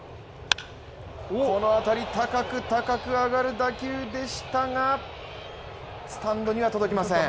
この当たり、高く高く上がる打球でしたがスタンドには届きません。